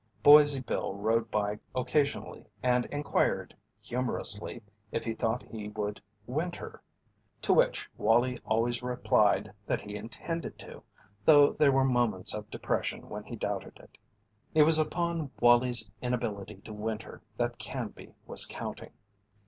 Boise Bill rode by occasionally and inquired humorously if he thought he would "winter." To which Wallie always replied that he intended to, though there were moments of depression when he doubted it. It was upon Wallie's inability to "winter" that Canby was counting.